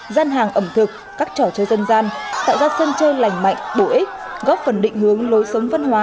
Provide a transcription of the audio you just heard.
gian hàng ẩm thực các trò chơi dân gian tạo ra sân chơi lành mạnh bổ ích góp phần định hướng lối sống văn hóa